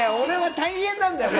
大変なんだよ。